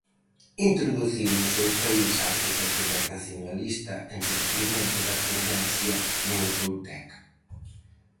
Introduciu no seu país a arquitectura racionalista en detrimento da tendencia neotolteca.